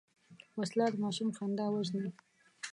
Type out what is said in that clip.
وسله د ماشوم خندا وژني